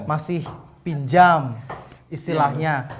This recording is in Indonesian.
masih pinjam istilahnya